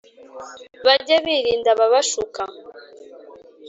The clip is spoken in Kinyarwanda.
bage birinda ababashuka